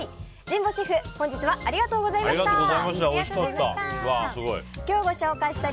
神保シェフ本日はありがとうございました。